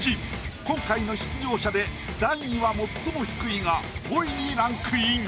今回の出場者で段位は最も低いが５位にランクイン。